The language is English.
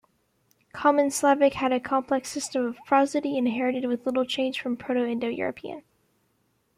Common Slavic had a complex system of prosody, inherited with little change from Proto-Indo-European.